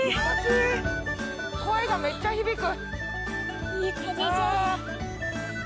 声がめっちゃ響く。